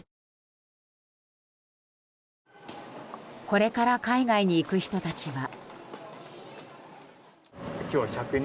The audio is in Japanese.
これから海外に行く人たちは。